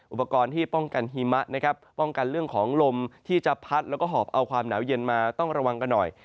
อุปกรณ์ที่ป้องกันหิมะนะครับป้องกันเรื่องของลมที่จะพัดแล้วก็หอบเอาความหนาวเย็นมาต้องระวังกันหน่อย